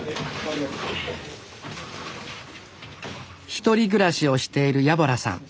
一人暮らしをしている家洞さん。